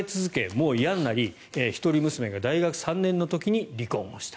もう嫌になり一人娘が大学３年の時に離婚をした。